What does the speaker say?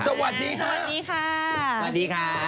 สวัสดีค่ะ